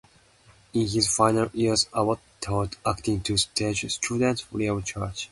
In his final years, Abbott taught acting to students free of charge.